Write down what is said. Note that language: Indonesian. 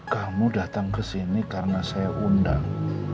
kamu datang ke sini karena saya undang